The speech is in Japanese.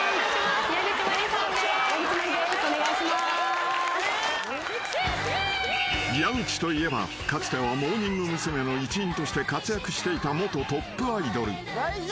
「ＳＥＸＹビーム」［矢口といえばかつてはモーニング娘。の一員として活躍していた元トップアイドル］